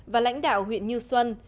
và lãnh đạo huyện như xuân